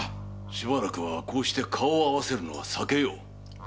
しばらくはこうして顔を合わせるのは避けよう。